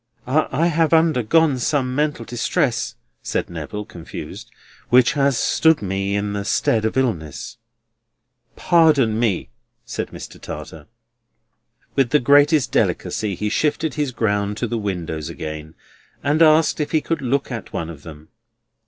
"I have undergone some mental distress," said Neville, confused, "which has stood me in the stead of illness." "Pardon me," said Mr. Tartar. With the greatest delicacy he shifted his ground to the windows again, and asked if he could look at one of them.